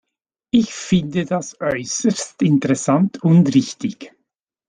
Ich finde das äußerst interessant und richtig.